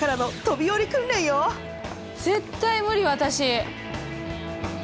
絶対無理私。